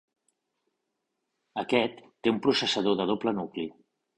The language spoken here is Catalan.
Aquest té un processador de doble nucli.